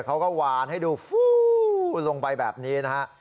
เขาก็หวานให้ดูฟู้ลงไปแบบนี้นะฮะ